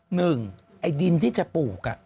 หนึ่งไอ้ดินที่จะปลูก